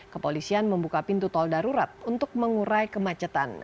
kepolisian membuka pintu tol darurat untuk mengurai kemacetan